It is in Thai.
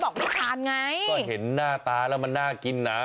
เค้าเห็นน่าตาแล้วมันน่ากินนะ